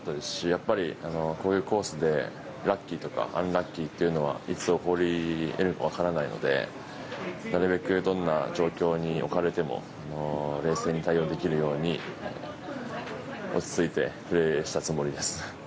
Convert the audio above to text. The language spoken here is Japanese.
やっぱり、こういうコースでラッキーとかアンラッキーはいつ起こり得るか分からないのでなるべくどんな状況に置かれても冷静に対応できるように落ち着いてプレーしたつもりです。